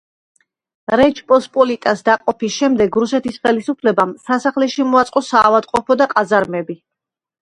რეჩ პოსპოლიტას დაყოფის შემდეგ რუსეთის ხელისუფლებამ სასახლეში მოაწყო საავადმყოფო და ყაზარმები.